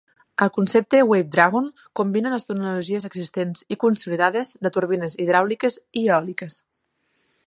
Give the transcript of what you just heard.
El concepte Wave Dragon combina les tecnologies existents i consolidades de turbines hidràuliques i eòliques.